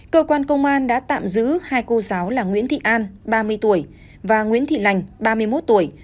cơ quan công an đã tạm giữ hai cô giáo là nguyễn thị an ba mươi tuổi và nguyễn thị lành ba mươi một tuổi